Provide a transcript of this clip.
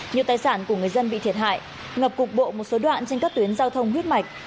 nhiều tài sản của người dân bị thiệt hại ngập cục bộ một số đoạn trên các tuyến giao thông huyết mạch